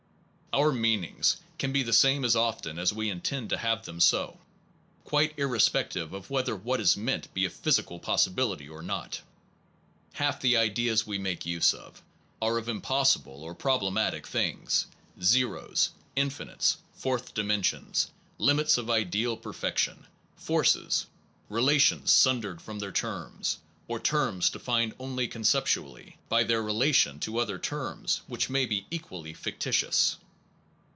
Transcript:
Our meanings can be the same as often as we intend to have them so, quite irre spective of whether what is meant be a physi cal possibility or not. Half the ideas we make use of are of impossible or problematic things, zeros, infinites, fourth dimensions, limits of ideal perfection, forces, relations sundered from their terms, or terms defined only con ceptually, by their relations to other terms which may be equally fictitious.